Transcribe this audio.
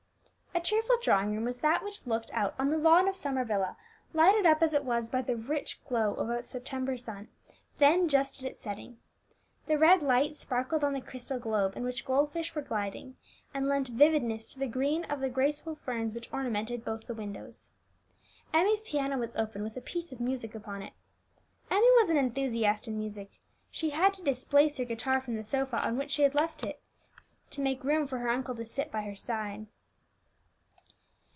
A cheerful drawing room was that which looked out on the lawn of Summer Villa, lighted up as it was by the rich glow of a September sun, then just at its setting. The red light sparkled on the crystal globe in which gold fish were gliding, and lent vividness to the green of the graceful ferns which ornamented both the windows. Emmie's piano was open, with a piece of music upon it. Emmie was an enthusiast in music. She had to displace her guitar from the sofa on which she had left it, to make room for her uncle to sit by her side.